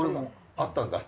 あったんだ。